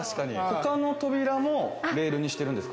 他の扉もレールにしてるんで